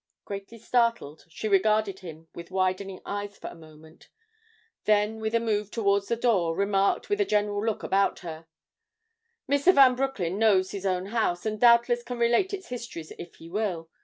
Greatly startled, she regarded him with widening eyes for a moment, then with a move towards the door, remarked, with a general look about her: "Mr. Van Broecklyn knows his own house, and doubtless can relate its histories if he will.